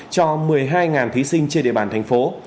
cho một mươi hai thí sinh trên địa bàn thành phố